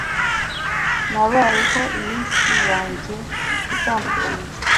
Nabayeho iminsi yanjye itandukanye